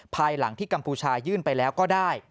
ภายหลังที่กัมพูชายื่นไปแล้วก็ได้